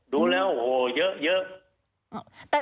ดูแล้วเยอะ